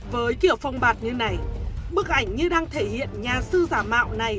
với kiểu phong bạt như này bức ảnh như đang thể hiện nhà sư giả mạo này